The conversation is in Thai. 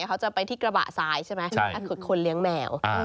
เขาจะไปที่กระบะซ้ายใช่ไหมขุดคนเลี้ยงแมว